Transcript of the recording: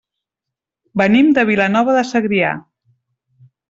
Venim de Vilanova de Segrià.